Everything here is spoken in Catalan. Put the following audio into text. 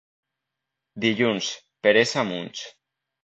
Dilluns, peresa a munts.